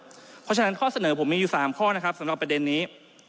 เพราะฉะนั้นข้อเสนอผมมีอยู่๓ข้อนะครับสำหรับประเด็นนี้